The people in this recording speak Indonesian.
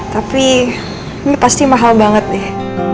tapi ini pasti mahal banget deh